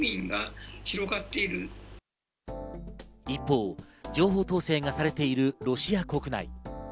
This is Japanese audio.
一方、情報統制がされているロシア国内。